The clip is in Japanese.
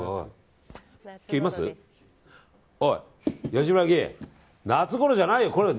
吉村議員夏ごろじゃないよ。